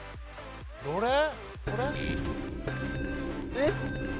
えっ？